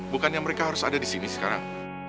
bukannya mereka harus ada di sini sekarang